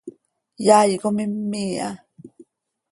Yaai com immii ha.